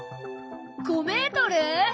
５メートル！？